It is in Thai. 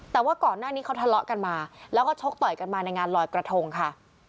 แต่ว่าก่อนหน้านี้เขาทะเลาะกันมาแล้วก็ชกต่อยกันมาในงานลอยกระทงค่ะ